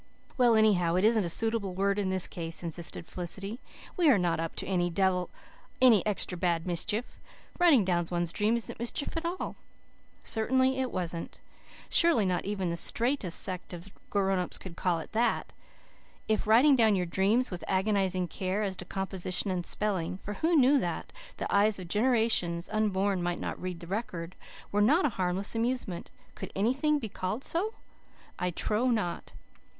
"Well, anyhow, it isn't a suitable word in this case," insisted Felicity. "We are not up to any dev any extra bad mischief. Writing down one's dreams isn't mischief at all." Certainly it wasn't. Surely not even the straitest sect of the grown ups could call it so. If writing down your dreams, with agonizing care as to composition and spelling for who knew that the eyes of generations unborn might not read the record? were not a harmless amusement, could anything be called so? I trow not.